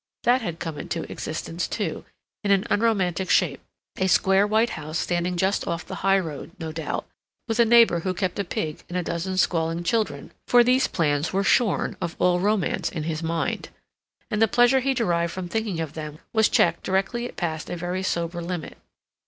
That had come into existence, too, in an unromantic shape—a square white house standing just off the high road, no doubt, with a neighbor who kept a pig and a dozen squalling children; for these plans were shorn of all romance in his mind, and the pleasure he derived from thinking of them was checked directly it passed a very sober limit.